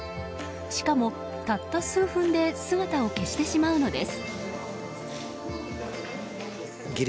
しかも、たった数分で姿を消してしまうのです。